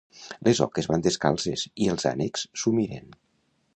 Les oques van descalces i els ànecs s'ho miren